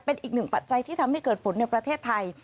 เป็นอีกหนึ่งปัจจัยที่ทำให้เกิดฝนในประเทศไทย